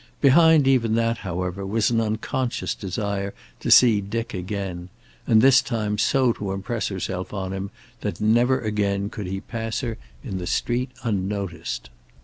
Behind even that, however, was an unconscious desire to see Dick again, and this time so to impress herself on him that never again could he pass her in the street unnoticed.